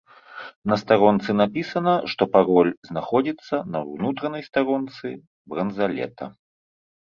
На старонцы напісана, што пароль знаходзіцца на ўнутранай старонцы бранзалета.